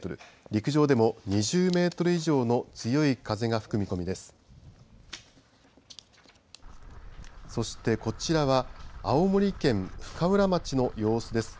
陸上でも２０メートル以上の強い風が吹く見込みです。